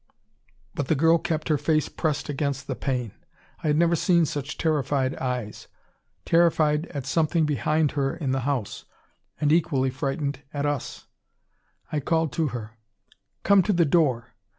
But the girl kept her face pressed against the pane. I had never seen such terrified eyes. Terrified at something behind her in the house; and equally frightened at us. I call to her: "Come to the door.